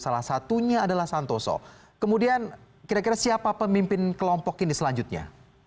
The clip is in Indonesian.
salah satunya adalah santoso kemudian kira kira siapa pemimpin kelompok ini selanjutnya